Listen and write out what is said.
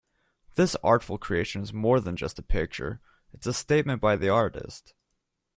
This artful creation is more than just a picture, it's a statement by the artist.